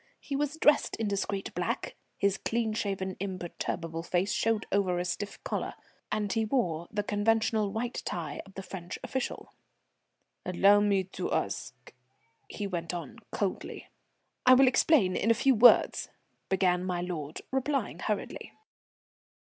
He was dressed in discreet black, his clean shaven, imperturbable face showed over a stiff collar, and he wore the conventional white tie of the French official. "Allow me to ask " he went on coldly. "I will explain in a few words," began my lord, replying hurriedly.